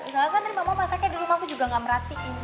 masaknya di rumahku juga